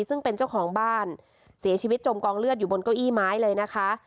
ซึ่งเป็นเจ้าของบ้านเสียชีวิตจมกองเลือดอยู่บนเก้าอี้ไม้เลยนะคะ